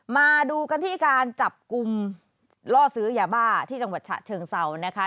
มาดูกันที่การจับกลุ่มล่อซื้อยาบ้าที่จังหวัดฉะเชิงเซานะคะ